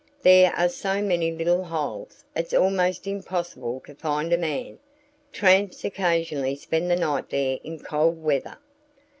There are so many little holes; it's almost impossible to find a man. Tramps occasionally spend the night there in cold weather."